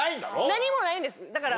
何もないんですだから。